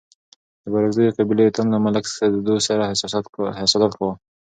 د بارکزيو قبيلي يو تن له ملک سدو سره حسادت کاوه.